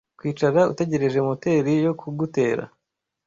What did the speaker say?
Kwicara utegereje moteri yo kugutera